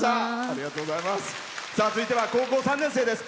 続いては高校３年生です。